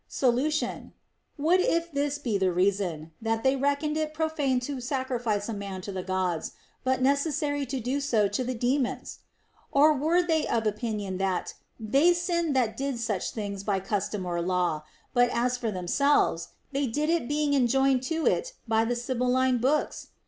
Solution. What if this be the reason, that they reck oned it profane to sacrifice a man to the Gods, but neces sary to do so to the Daemons X Or were they of opinion that they sinned that did such things by custom or law ; but as for themselves, they did it being enjoined to it by the Sibylline books'?